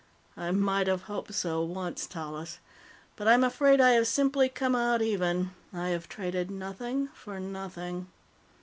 "I might have hoped so once, Tallis. But I'm afraid I have simply come out even. I have traded nothing for nothing."